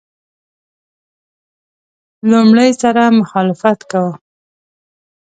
لومړي سره مخالفت کاوه.